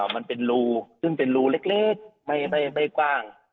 มันเป็นรูซึ่งเป็นรูเล็กไม่กว้าง